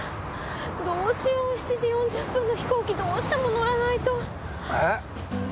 どうしよう７時４０分の飛行機どうしても乗らないと！え！？